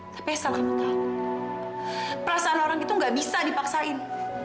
tapi ya salah kamu tahu perasaan orang itu gak bisa dipaksain